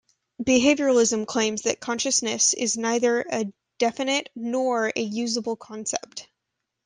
Behaviorism claims that consciousness is neither a definite nor a usable concept.